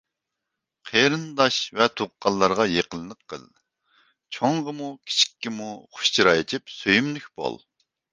قېرىنداش ۋە تۇغقانلارغا يېقىنلىق قىل، چوڭغىمۇ كىچىككىمۇ خۇش چىراي ئېچىپ سۆيۈملۈك بول.